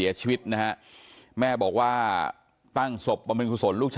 อายุ๑๐ปีนะฮะเขาบอกว่าเขาก็เห็นถูกยิงนะครับ